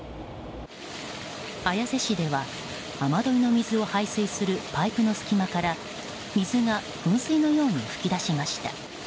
綾瀬市では雨どいの水を排水するパイプの隙間から水が噴水のように噴き出しました。